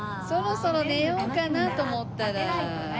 そろそろ寝ようかなと思ったら。